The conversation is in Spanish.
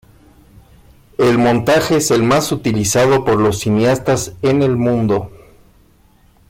El montaje es el más utilizado por los cineastas en el mundo.